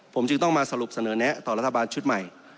ผมจึงต้องมาสรุปเสนอแนะต่อรัฐบาลชุดใหม่